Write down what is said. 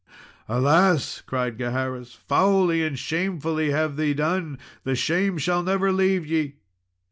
"Alas!" cried Gaheris, "foully and shamefully have ye done the shame shall never leave ye!